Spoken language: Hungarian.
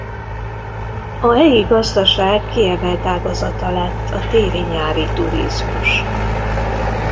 A helyi gazdaság kiemelt ágazata lett a téli-nyári turizmus.